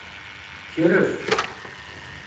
Kref.